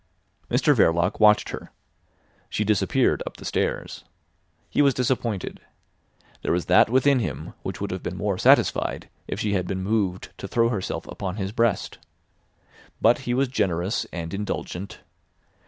Mr Verloc watched her. She disappeared up the stairs. He was disappointed. There was that within him which would have been more satisfied if she had been moved to throw herself upon his breast. But he was generous and indulgent.